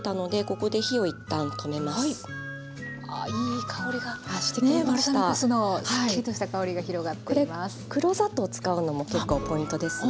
これ黒砂糖使うのも結構ポイントですね。